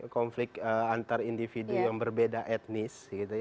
konflik antar individu yang berbeda etnis